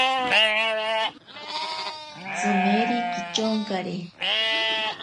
Tsimeri kityonkari.